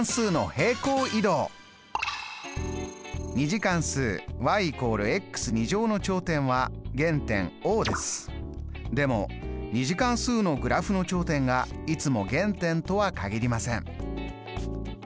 ２次関数＝の頂点は原点Ｏですでも２次関数のグラフの頂点がいつも原点とは限りません。